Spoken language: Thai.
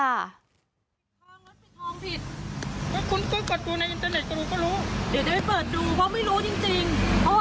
ถ้าเปิดดูคุณก็รู้แล้ว